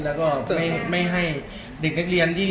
แล้วก็ไม่ให้เด็กนักเรียนที่